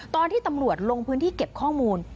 ตอนที่ตำรวจลงพื้นที่เก็บข้อมูล